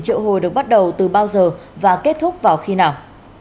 trợ hồi được bắt đầu từ bao giờ và kết thúc vào khi nào